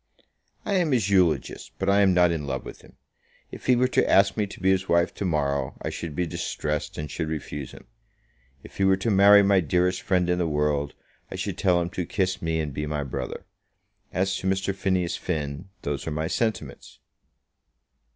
"I am his eulogist; but I am not in love with him. If he were to ask me to be his wife to morrow, I should be distressed, and should refuse him. If he were to marry my dearest friend in the world, I should tell him to kiss me and be my brother. As to Mr. Phineas Finn, those are my sentiments."